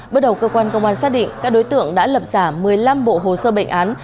bước đầu cơ quan công an xác định các đối tượng đã lập giả một mươi năm bộ hồ sơ bệnh án